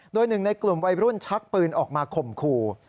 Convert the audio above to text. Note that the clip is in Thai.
โดยหนึ่งในกลุ่มวัยรุ่นชักปืนออกมาข่มขู่